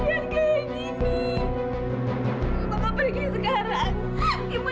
ya allah nek dewi pergi dari ibu